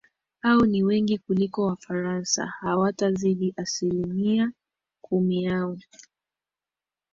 ao ni wengi kuliko wafaransa hawatazidi aslimia kumi yao